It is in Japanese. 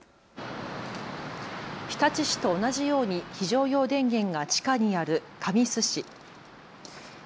日立市と同じように非常用電源が地下にある神栖市。